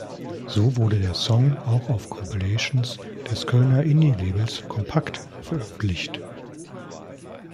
So wurde der Song auch auf Compilations des Kölner Indie-Labels Kompakt veröffentlicht.